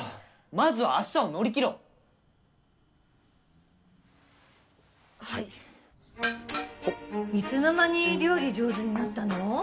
まずは明日を乗り切ろうはいほっいつの間に料理上手になったの？